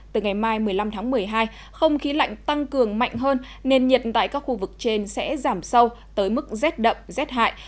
từ ngày mai một mươi năm tháng một mươi hai không khí lạnh tăng cường mạnh hơn nên nhiệt tại các khu vực trên sẽ giảm sâu tới mức rét đậm rét hại